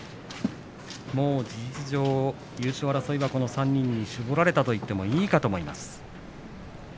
もう事実上、優勝争いはこの３人に絞られたと言ってもいいかと思います。